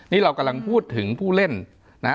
นี่เรากำลังพูดถึงผู้เล่นนะฮะ